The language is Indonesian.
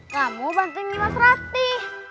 kamu bantuin di mas rati